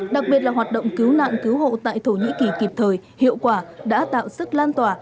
đặc biệt là hoạt động cứu nạn cứu hộ tại thổ nhĩ kỳ kịp thời hiệu quả đã tạo sức lan tỏa